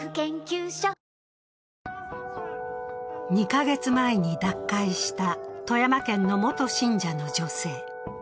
２か月前に脱会した富山県の元信者の女性。